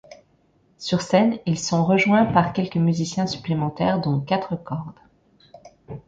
Sur scène, ils sont rejoints par quelques musiciens supplémentaires, dont quatre cordes.